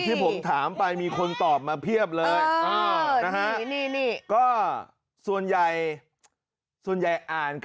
ที่ผมถามไปมีคนตอบมาเพียบเลยนะฮะ